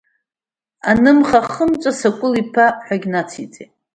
Анымха-хымҵәа Сакәыт-иԥа ҳәагьы нациҵеит.